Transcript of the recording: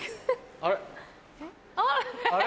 あれ？